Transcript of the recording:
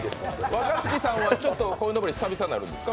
若槻さんは鯉のぼり久しぶりになるんですか？